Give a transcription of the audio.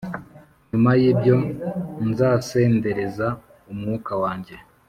Nyuma y’ibyo nzasendereza Umwuka wanjye